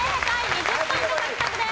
２０ポイント獲得です。